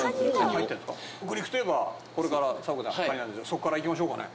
そこからいきましょうかね。